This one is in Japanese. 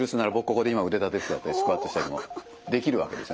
ここで今腕立て伏せやったりスクワットしたりもできるわけですよね。